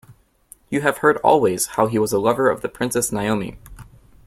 You have heard always how he was the lover of the Princess Naomi.